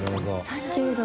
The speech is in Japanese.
３６。